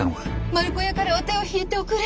丸子屋からお手を引いておくれ。